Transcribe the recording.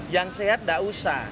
yang sehat nggak usah